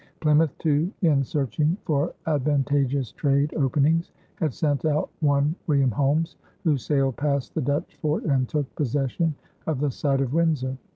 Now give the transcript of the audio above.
Plymouth, too, in searching for advantageous trade openings had sent out one William Holmes, who sailed past the Dutch fort and took possession of the site of Windsor.